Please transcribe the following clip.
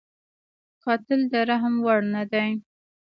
قاتل د رحم وړ نه دی